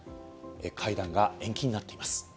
会談が延期になっています。